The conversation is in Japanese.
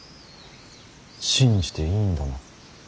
信じていいんだな。